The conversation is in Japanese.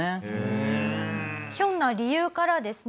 ひょんな理由からですね